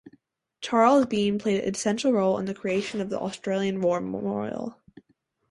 Charles Bean played an essential role in the creation of the Australian War Memorial.